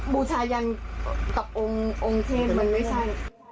บูชายันกับองค์เทพมันไม่ใช่